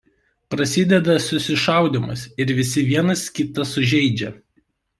Prasideda susišaudymas ir visi vienas kitą sužeidžia.